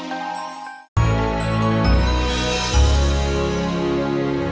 jangan lupa like subscribe dan share ya